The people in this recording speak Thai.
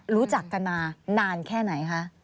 รู้จักกันมานานแค่ไหนคะ